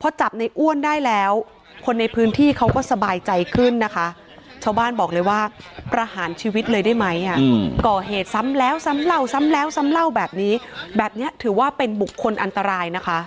พอจับในอ้วนได้แล้วคนในพื้นที่เขาก็สบายใจขึ้นนะคะชาวบ้านบอกเลยว่าประหารชีวิตเลยได้ไหมก่อเหตุซ้ำแล้วซ้ำเล่าซ้ำแล้วซ้ำเล่าแบบนี้แบบนี้ถือว่าเป็นบุคคลอันตรายนะคะ